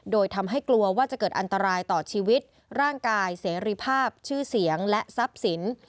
โดยทำให้กลัวว่าจะเกิดอันตรายต่อชีวิตร่างกายเสรีภาพชื่อเสียงและทรัพย์สิน